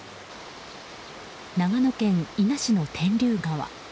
長野県伊那市の天竜川。